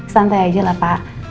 santai aja lah pak